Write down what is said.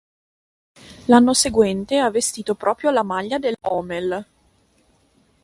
L'anno seguente ha vestito proprio la maglia dell'Homel'.